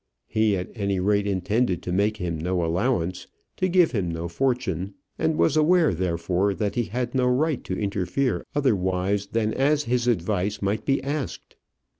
He, at any rate, intended to make him no allowance, to give him no fortune, and was aware, therefore, that he had no right to interfere otherwise than as his advice might be asked.